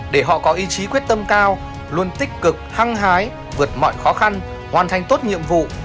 để họ có ý chí quyết tâm cao luôn tích cực hăng hái vượt mọi khó khăn hoàn thành tốt nhiệm vụ